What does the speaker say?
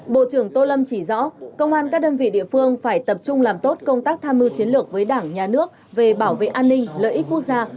bộ trưởng tô lâm chỉ rõ công an các đơn vị địa phương phải tập trung làm tốt công tác tham mưu chiến lược với đảng nhà nước về bảo vệ an ninh lợi ích quốc gia